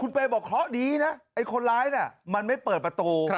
คุณเปย์บอกเค้าดีนะไอ้คนร้ายเนี้ยมันไม่เปิดประตู